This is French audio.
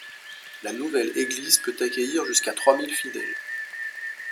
La nouvelle église peut accueillir jusqu'à trois mille fidèles.